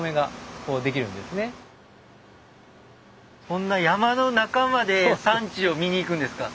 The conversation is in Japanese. こんな山の中まで産地を見に行くんですか？